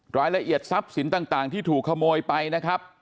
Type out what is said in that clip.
รายละเอียดทรัพย์สินต่างที่ถูกขโมยไปนะครับ